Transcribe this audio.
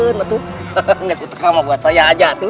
neng gak suka kamu buat saya aja tuh